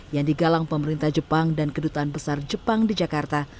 yang digalang pemerintah jepang dan kedutaan besar jepang di jakarta